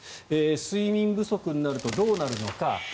睡眠不足になるとどうなるのか。